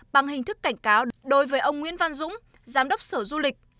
bằng hình thức cảnh cáo đối với ông nguyễn văn dũng giám đốc sở du lịch